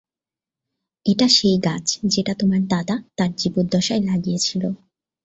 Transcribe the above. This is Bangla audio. এটা সেই গাছ যেটা তোমার দাদা তার জীবদ্দশায় লাগিয়েছিল!